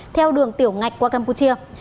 theo đường tiểu ngạch qua campuchia